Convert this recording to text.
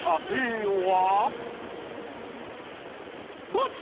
ボツ！